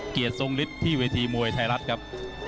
เกียรติทรงฤทธิ์ที่เวทีมวยไทยรัฐครับ